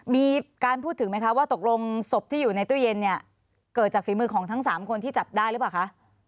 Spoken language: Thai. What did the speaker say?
มีการพูดถึงไหมคะว่าตกลงศพที่อยู่ในตู้เย็นเนี่ยเกิดจากฝีมือของทั้ง๓คนที่จับได้หรือเปล่าคะ